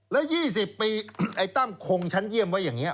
แล้ว๒๐ปีไอ้ตั้มคงชั้นเยี่ยมไว้อย่างนี้